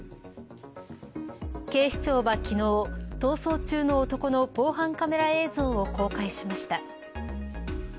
警視庁は、昨日逃走中の男の防犯カメラ映像を公開しました。